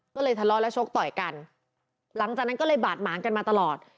ก็เลยทะเลาะและชกต่อยกันหลังจากนั้นก็เลยบาดหมางกันมาตลอด